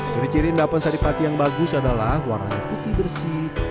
kediri dapan sari pati yang bagus adalah warna putih bersih